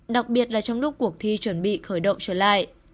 đặc biệt là trong lúc cuộc thi chuẩn bị khởi động trở lại